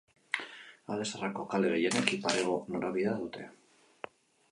Alde Zaharreko kale gehienek ipar-hego norabidea dute.